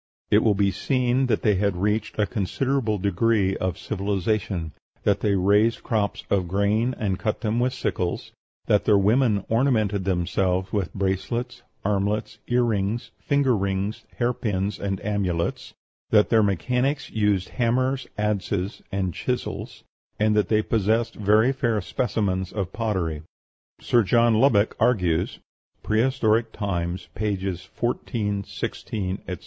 It will be seen that they had reached a considerable degree of civilization; that they raised crops of grain, and cut them with sickles; that their women ornamented themselves with bracelets, armlets, earrings, finger rings, hair pins, and amulets; that their mechanics used hammers, adzes, and chisels; and that they possessed very fair specimens of pottery. Sir John Lubbock argues ("Prehistoric Times," pp. 14, 16, etc.)